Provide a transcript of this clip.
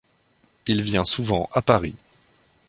Il vient souvent à Paris.